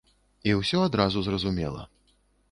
І ўсё адразу зразумела.